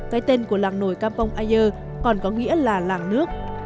cái tên của làng nổi campong ayer còn có nghĩa là làng nước